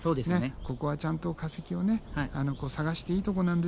ここはちゃんと化石を探していいとこなんですよ